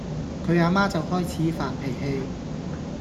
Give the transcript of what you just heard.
佢呀媽就開始發脾氣